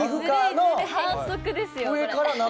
反則ですよこれ。